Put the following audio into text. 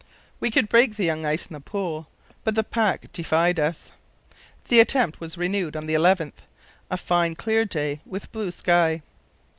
We could break the young ice in the pool, but the pack defied us. The attempt was renewed on the 11th, a fine clear day with blue sky.